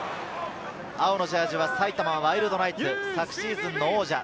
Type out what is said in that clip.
青のジャージーは埼玉ワイルドナイツ、昨シーズンの王者。